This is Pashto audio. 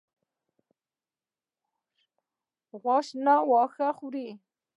غوا شین واښه خوښوي.